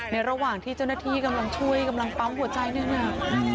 ระหว่างที่เจ้าหน้าที่กำลังช่วยกำลังปั๊มหัวใจหนึ่งอ่ะ